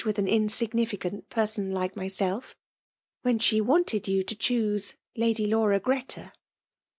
with an dnatgnificast {lesson^like myself; when she wanted you .to choose La^y iama, Gfeta.'